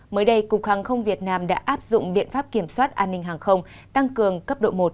mới đây cục hàng không việt nam đã áp dụng biện pháp kiểm soát an ninh hàng không tăng cường cấp độ một